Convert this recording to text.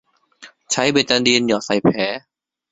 ใช้เบตาดีนหยดใส่แผล